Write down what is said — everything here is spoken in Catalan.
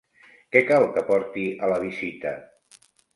Que cal que porti a la visita?